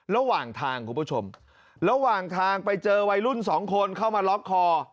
ระหว่างทางคุณผู้ชมระหว่างทางไปเจอวัยรุ่นสองคนเข้ามาล็อกคอ